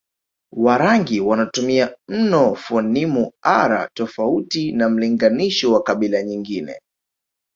Warangi wanatumia mno fonimu r tofauti na mlinganisho wa kabila nyingine